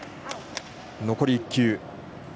残りは１球。